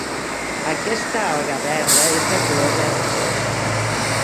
Aquesta alga verda és de color verd fosc.